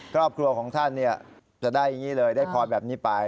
ครอบครัวของท่านจะได้พอแบบนี้ไป